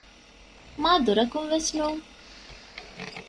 މާދުރަކުން ވެސް ނޫން